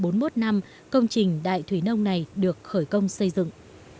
trong một năm công trình đại thủy nông này được khởi công xây dựng